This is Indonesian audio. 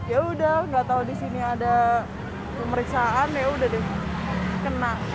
ya udah nggak tahu di sini ada pemeriksaan yaudah deh kena